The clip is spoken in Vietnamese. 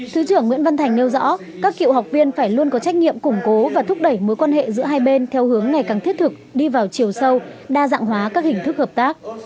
thứ trưởng nguyễn văn thành nêu rõ các cựu học viên phải luôn có trách nhiệm củng cố và thúc đẩy mối quan hệ giữa hai bên theo hướng ngày càng thiết thực đi vào chiều sâu đa dạng hóa các hình thức hợp tác